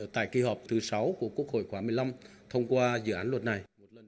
tại kỳ họp thứ sáu của quốc hội khóa một mươi năm thông qua dự án luật này